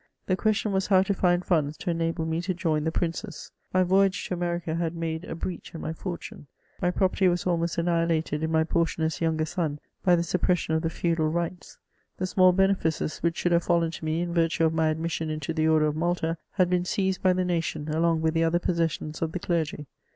The question was how to find funds to enable me to join the princes. My voyage to America had made a breach in my fortune ; my property was almost annihilated in my portion as younger son by the suppres sion of the feudal rights ; the small benehces which should have fallen to me in virtue of my admission into the order of Malta, had been seized by the nation, along with the other possessions of the clergy.